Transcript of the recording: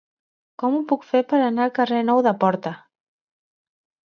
Com ho puc fer per anar al carrer Nou de Porta?